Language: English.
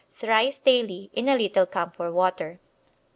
Thrice daily in a little camphor water.